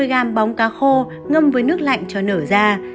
ba mươi gam bóng cá khô ngâm với nước lạnh cho nở ra